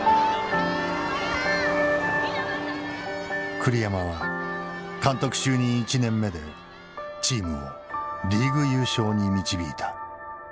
栗山は監督就任１年目でチームをリーグ優勝に導いた。